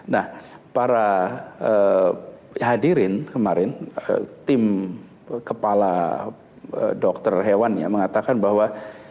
nah para hadirin kemarin tim kepala dokter hewannya mengatakan bahwa